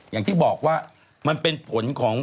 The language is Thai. อย่างที่บอกว่ามันเป็นผลของ